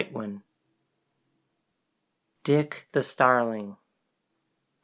] DICK THE STARLING.